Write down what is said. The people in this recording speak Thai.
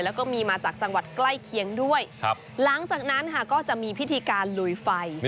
แล้วก็มีมาจากจังหวัดใกล้เคียงด้วยหลังจากนั้นค่ะก็จะมีพิธีการลุยไฟ